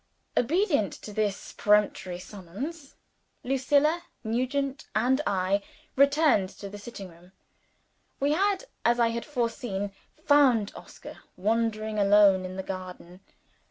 Obedient to this peremptory summons, Lucilla, Nugent, and I returned to the sitting room. We had, as I had foreseen, found Oscar wandering alone in the garden.